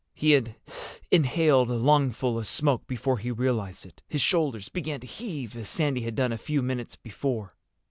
He had inhaled a lungful of smoke before he realized it. His shoulders began to heave as Sandy's had done a few minutes before.